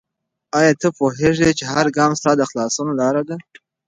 آیا ته پوهېږې چې هر ګام ستا د خلاصون لاره ده؟